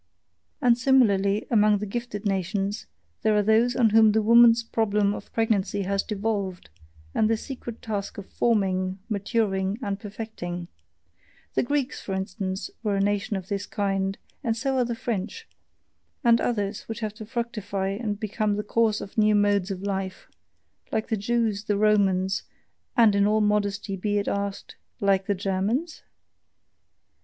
And similarly, among the gifted nations, there are those on whom the woman's problem of pregnancy has devolved, and the secret task of forming, maturing, and perfecting the Greeks, for instance, were a nation of this kind, and so are the French; and others which have to fructify and become the cause of new modes of life like the Jews, the Romans, and, in all modesty be it asked: like the Germans?